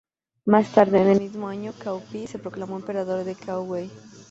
Más tarde, en el mismo año, Cao Pi se proclamó emperador de Cao Wei.